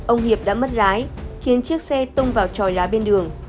ông hiệp đã mất lái khiến chiếc xe tông vào tròi lá bên đường